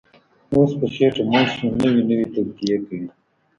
اوس په خېټه موړ شو، نوې نوې توطیې کوي